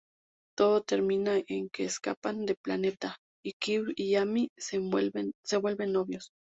Todo termina en que escapan del planeta, y Kif y Amy se vuelven novios.